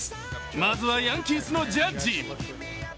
まずはヤンキースのジャッジ。